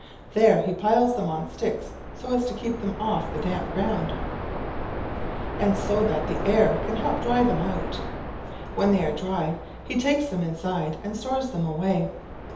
There he piles them on sticks so as to keep them off he damp ground and so that the air can help dry them out. When they are dry, he takes them inside and stores them away.